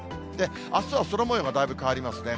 あすは空もようがだいぶ変わりますね。